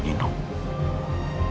meskipun kamu gak setuju